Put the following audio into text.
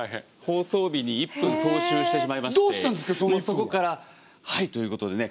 そこから「はい！ということでね